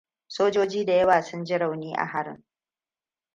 Sojoji da yawa sun ji rauni a harin.